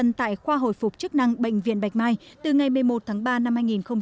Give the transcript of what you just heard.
bệnh nhân tại khoa hồi phục chức năng bệnh viện bạch mai từ ngày một mươi một tháng ba năm hai nghìn hai mươi